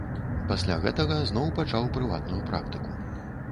Пасля гэтага зноў пачаў прыватную практыку.